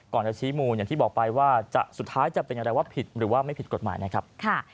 จะชี้มูลอย่างที่บอกไปว่าสุดท้ายจะเป็นอย่างไรว่าผิดหรือว่าไม่ผิดกฎหมายนะครับ